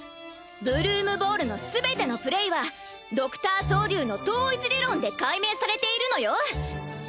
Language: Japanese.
ブルームボールの全てのプレーはドクターソウリュウの統一理論で解明されているのよ。